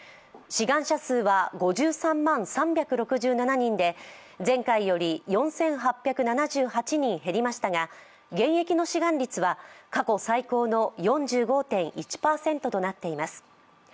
志願者数は５３万３６７人で前回より４８７８人減りましたが現役の志願率は過去最高の４５．１％となっています。